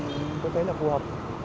đó là ý kiến trên các tuyến cao tốc quốc lộ